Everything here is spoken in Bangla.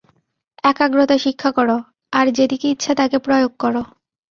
একাগ্রতা শিক্ষা কর, আর যে দিকে ইচ্ছা তাকে প্রয়োগ কর।